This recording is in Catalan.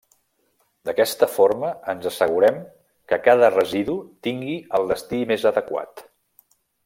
D’aquesta forma, ens assegurem que cada residu tingui el destí més adequat.